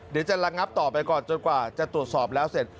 จะระงับต่อไปก่อนจนกว่าจะตรวจสอบแล้วเสร็จ